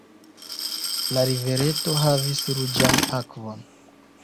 La rivereto havis ruĝan akvon.